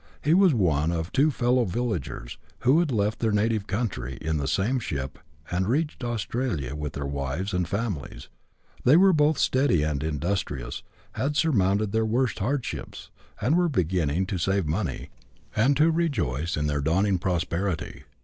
He was one of two fellow villagers, who had left their native country in the same ship, and reached Australia with their wives and families. They were both steady and industrious, had surmounted their worst hardships, and were beginning to CHAP. XIII.] THE EEFORMED CONVICT. 151 save money, and to rejoice in their dawning prosperity.